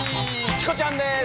チコちゃんです！